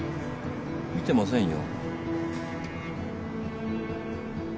見てませんよ。